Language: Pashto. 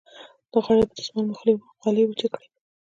د غاړې په دستمال مې خولې وچې کړې.